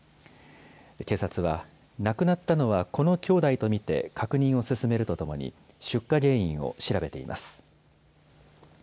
警察は、亡くなったのはこのきょうだいと見て、確認を進めるとともに、出火原因を調べています。